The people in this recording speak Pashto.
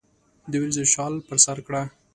دوریځو شال پر سرکړه